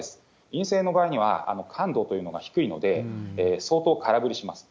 陰性の場合には、感度というのが低いので、相当空振りします。